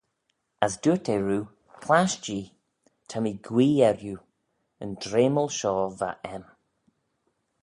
As dooyrt eh roo, Clasht-jee, ta mee guee erriu, yn dreamal shoh va aym.